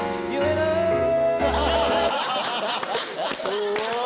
すごい！